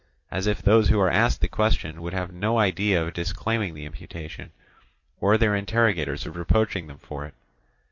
—as if those who are asked the question would have no idea of disclaiming the imputation, or their interrogators of reproaching them for it.